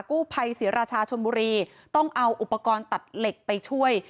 กู้ภัยศรีราชาชนบุรีต้องเอาอุปกรณ์ตัดเหล็กไปช่วย